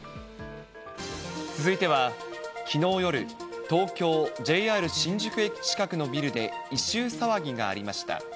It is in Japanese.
続いては、きのう夜、東京・ＪＲ新宿駅近くのビルで異臭騒ぎがありました。